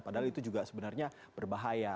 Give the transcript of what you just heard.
padahal itu juga sebenarnya berbahaya